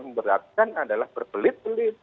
memberatkan adalah berpelit pelit